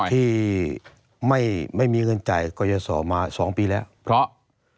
ที่ไม่ไม่มีเงินจ่ายกลยสอมาสองปีแล้วเพราะ